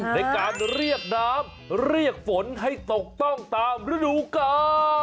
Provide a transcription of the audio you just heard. ในการเรียกน้ำเรียกฝนให้ตกต้องตามฤดูกา